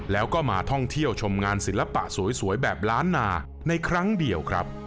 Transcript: แล้วก็มาท่องเที่ยวชมงานศิลปะสวยแบบล้านนาในครั้งเดียวครับ